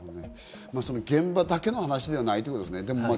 現場だけの話ではないということですね。